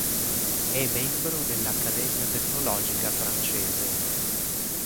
È membro dell'Accademia tecnologica francese.